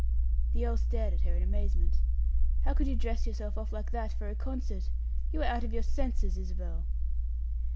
The earl stared at her in amazement. "How could you dress yourself off like that for a concert? You are out of yours senses, Isabel."